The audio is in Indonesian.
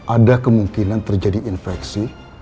ada kemungkinan terjadi infeksi